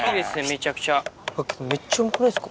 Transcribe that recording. めちゃくちゃ。